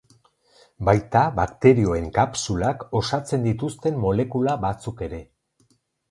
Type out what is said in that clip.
Baita bakterioen kapsulak osatzen dituzten molekula batzuk ere.